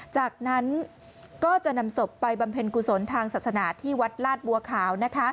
จากนั้นก็จะนำศพไปบำเพ็ญกุศลทางศาสนาที่วัดลาดบัวขาว